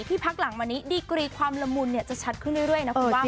ที่พักหลังมันนี้ดิกรีความรมุนเนี่ยจะชัดขึ้นเรื่อยนะฮะ